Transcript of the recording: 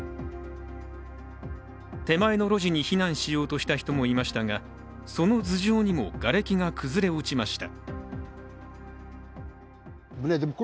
手前の路地に避難しようとした人もいましたが、その頭上にもがれきが崩れ落ちました。